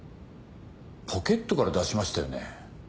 ポケットから出しましたよね？